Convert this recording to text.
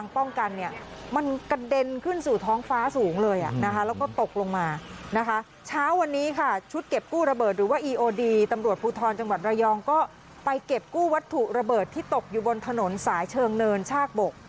แปดลูกที่บ้างนะครับครับ